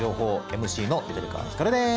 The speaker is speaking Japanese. ＭＣの緑川光です。